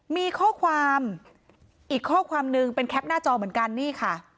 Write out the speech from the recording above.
มีข้อความอีกข้อความนึงเป็นแคปหน้าจอเหมือนกันนี่ค่ะ